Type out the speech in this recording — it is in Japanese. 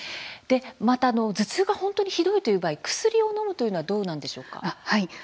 また頭痛が本当にひどいという場合薬をのむというのはどうなんでしょうか。